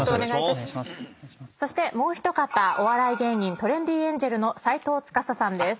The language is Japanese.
そしてもう一方お笑い芸人トレンディエンジェルの斎藤司さんです。